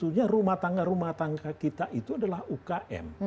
sebetulnya rumah tangga rumah tangga kita itu adalah ukm